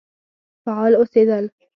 فعال اوسېدل.